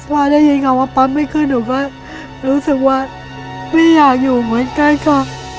ว่าได้ยินคำว่าปั๊บไม่ขึ้นหนูก็รู้สึกว่าไม่อยากอยู่เหมือนกันค่ะ